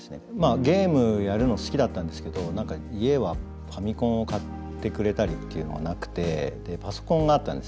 ゲームやるの好きだったんですけど何か家はファミコンを買ってくれたりっていうのがなくてでパソコンがあったんですね。